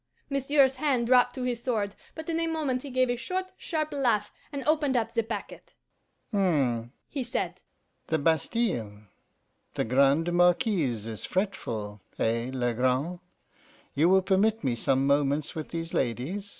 Monsieur's hand dropped to his sword, but in a moment he gave a short, sharp laugh, and opened up the packet. 'H'm,' he said, 'the Bastile! The Grande Marquise is fretful eh, Legrand? You will permit me some moments with these ladies?